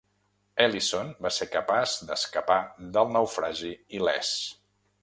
Ellyson va ser capaç d'escapar del naufragi il·lès.